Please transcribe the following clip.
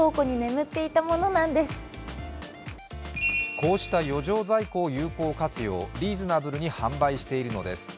こうした余剰在庫を有効活用、リーズナブルに販売しているのです。